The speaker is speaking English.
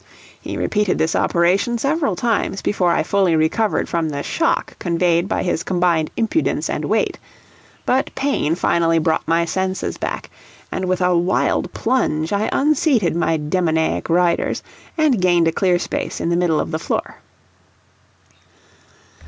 He repeated this operation several times before I fully recovered from the shock conveyed by his combined impudence and weight; but pain finally brought my senses back, and with a wild plunge I unseated my demoniac riders and gained a clear space in the middle of the floor.